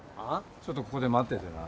ちょっとここで待っててな。